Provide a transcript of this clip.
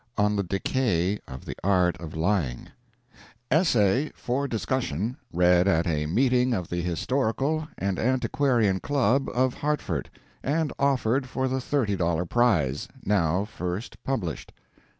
ON THE DECAY OF THE ART OF LYING ESSAY, FOR DISCUSSION, READ AT A MEETING OF THE HISTORICAL AND ANTIQUARIAN CLUB OF HARTFORD, AND OFFERED FOR THE THIRTY DOLLAR PRIZE. NOW FIRST PUBLISHED.